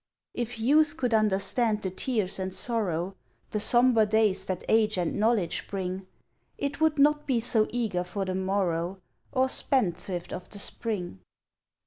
If youth could understand the tears and sorrow, The sombre days that age and knowledge bring, It would not be so eager for the morrow Or spendthrift of the spring.